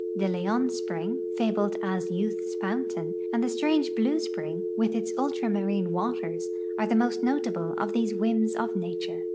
De Leon .spring, fabled as youth's fountain, and the strange Blue spring, with its ultramarine waters, are the most notable of tlie.se whims of nature.